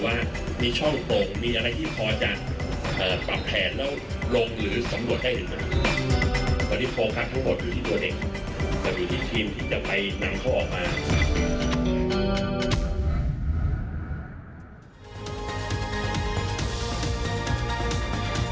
แต่อยู่ที่ทีมที่จะไปนำเขาออกมา